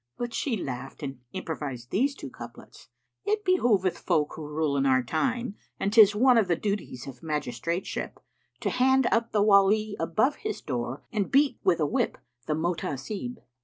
But she laughed and improvised these two couplets, "It behoveth folk who rule in our time, * And 'tis one of the duties of magistrateship, To hand up the Wali above his door * And beat with a whip the Mohtasib!"